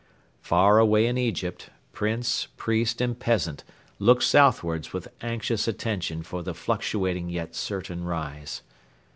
Far away in Egypt, prince, priest, and peasant look southwards with anxious attention for the fluctuating yet certain rise.